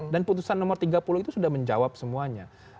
dan putusan nomor tiga puluh itu sudah menjawab semuanya